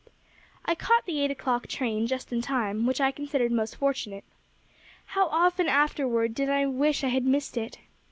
"I caught the eight o'clock train just in time; which I considered most fortunate. How often afterward did I wish I had missed it!